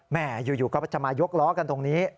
แม่อยู่ก็จะมายกล้อกันตรงนี้